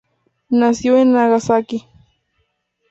Nació en Nagasaki.